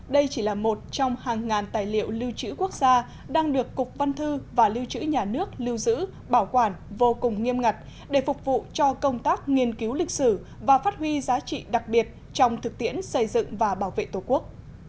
đây chỉ là một trong hàng ngàn tài liệu lưu trữ quốc gia đang được cục văn thư và lưu trữ nhà nước lưu giữ bảo quản vô cùng nghiêm ngặt để phục vụ cho công tác nghiên cứu lịch sử và phát huy giá trị đặc biệt trong thực tiễn xây dựng và bảo vệ tổ quốc